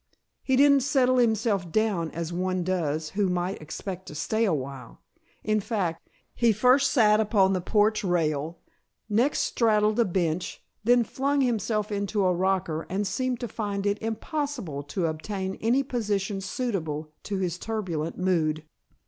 He didn't settle himself down as one does who might expect to stay awhile; in fact, he first sat upon the porch rail, next straddled a bench, then flung himself into a rocker and seemed to find it impossible to obtain any position suitable to his turbulent mood.